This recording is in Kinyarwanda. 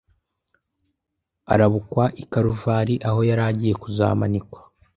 Arabukwa i Karuvali aho yari agiye kuzamanikwa,